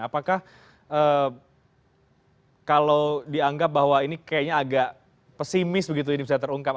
apakah kalau dianggap bahwa ini kayaknya agak pesimis begitu ini bisa terungkap